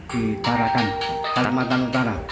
di tarakan kalimantan utara